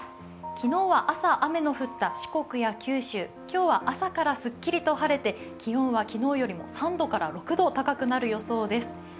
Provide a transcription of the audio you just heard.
昨日は朝、雨の降った四国や九州、今日は朝からすっきりと晴れて気温は昨日よりも３度から６度高くなる予想です。